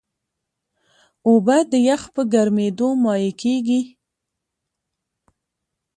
اوبه د یخ په ګرمیېدو مایع کېږي.